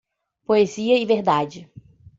Poesia e verdade.